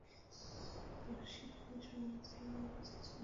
তাই লোডশেডিংয়ের সময় চাইলে নিজেকে সৃজনশীল কাজে মনোনিবেশ করা যাবে।